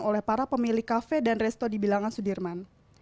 oleh para pemilik kafe dan resto di bilangan sudirman